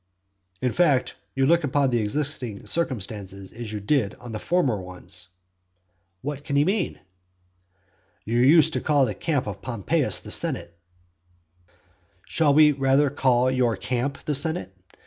"In fact, you look upon the existing circumstances as you did on the former ones." What can he mean? "You used to call the camp of Pompeius the senate." XII. Should we rather call your camp the senate?